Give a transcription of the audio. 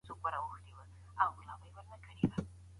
مینه په رښتیني اخلاص سره پالل کیږي.